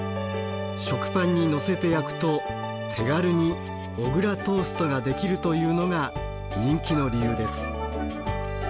食パンにのせて焼くと手軽に小倉トーストができるというのが人気の理由です。